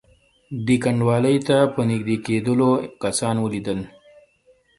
دې کنډوالې ته په نږدې کېدلو کسان ولیدل.